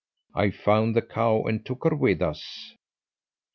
I found the cow, and took her with us.